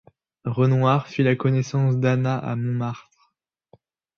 Renoir fit la connaissance d'Anna à Montmartre.